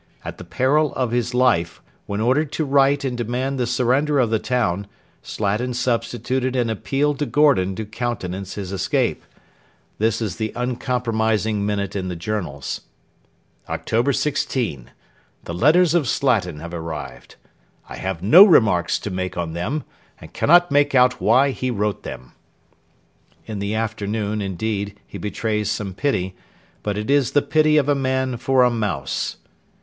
At the peril of his life, when ordered to write and demand the surrender of the town, Slatin substituted an appeal to Gordon to countenance his escape. This is the uncompromising minute in the Journals: 'Oct. 16. The letters of Slatin have arrived. I have no remarks to make on them, and cannot make out why he wrote them.' In the afternoon, indeed, he betrays some pity; but it is the pity of a man for a mouse.